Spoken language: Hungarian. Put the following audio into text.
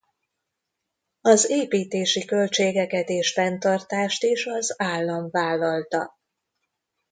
Az építési költségeket és fenntartást is az állam vállalta.